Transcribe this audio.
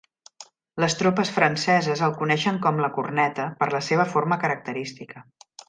Les tropes franceses el coneixen com "la corneta", per la seva forma característica.